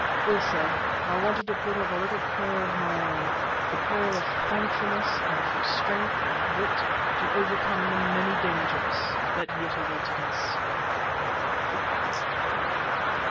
Also I wanted to put up a little prayer of my own, a prayer of thankfulness and for strength and wit to overcome the many dangers that yet awaited us.